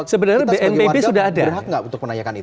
sebenarnya bnpb sudah ada